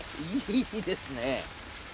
いいですね。